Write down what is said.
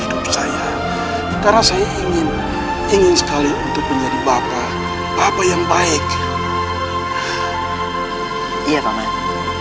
hidup saya karena saya ingin ingin sekali untuk menjadi bapak apa yang baik iya namanya